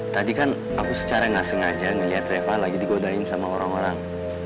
tadi kan aku secara gak sengaja ngeliat reva lagi digodain sama orang orang